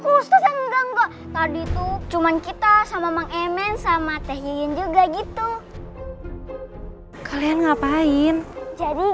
khusus enggak tadi itu cuman kita sama emen sama teh yin juga gitu kalian ngapain jadi